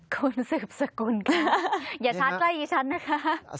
คุณซึบศคุณกันอย่าชัดคลยชั้นนะคะ